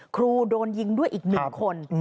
ครูโดนยิงด้วยอีก๑คน